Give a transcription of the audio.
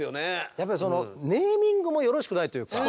やっぱりそのネーミングもよろしくないというか。